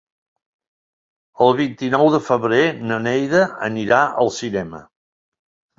El vint-i-nou de febrer na Neida anirà al cinema.